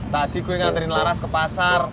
tadi gue nganterin laras ke pasar